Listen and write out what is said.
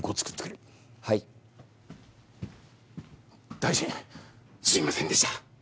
大臣すいませんでした。